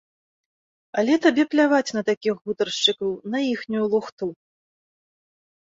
Але табе пляваць на такіх гутаршчыкаў, на іхнюю лухту.